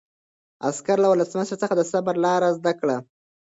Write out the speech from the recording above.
عسکر له ولسمشر څخه د صبر لاره زده کړه.